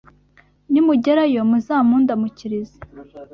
Nimugerayo muzamundamukirize.